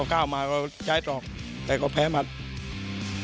เขาวาดเลยแช้ตรอกแต่ก็แพ้หลังการหมัด